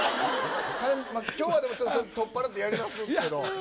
今日はでも取っ払ってやりますけど。